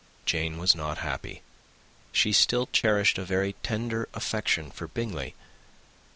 Jane was not happy. She still cherished a very tender affection for Bingley.